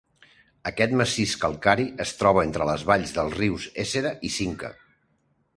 Aquest massís calcari es troba entre les valls dels rius Éssera i Cinca.